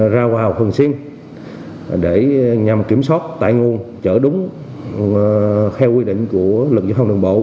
ra vào thường xuyên nhằm kiểm soát tại nguồn chở đúng theo quy định của lực dụng đường bộ